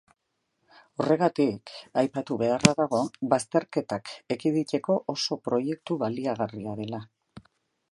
Horregatik, aipatu beharra dago bazterketak ekiditeko oso proiektu baliagarria dela.